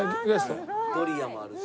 ドリアもあるし。